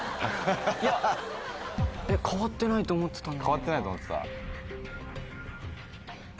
変わってないと思ってた？